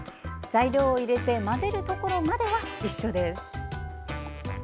材料を入れて混ぜるところまでは一緒です。